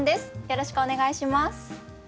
よろしくお願いします。